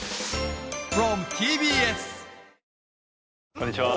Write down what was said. こんにちは。